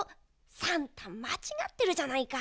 さんたまちがってるじゃないか！